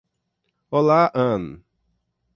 Olá Ann.